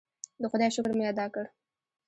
د خدای شکر مې ادا کړ.